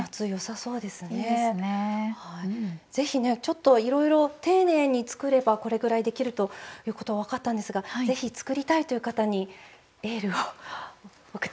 是非ねいろいろ丁寧に作ればこれぐらいできるということが分かったんですが是非作りたいという方にエールを送って頂けますでしょうか。